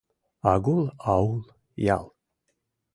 Агул — аул, ял.